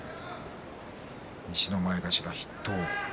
西の前頭筆頭。